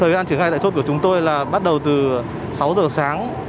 thời gian triển khai tại chốt của chúng tôi là bắt đầu từ sáu giờ sáng